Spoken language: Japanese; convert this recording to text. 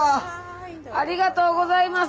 ありがとうございます！